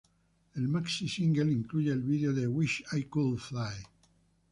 El maxi-single incluye el vídeo de "Wish I Could Fly".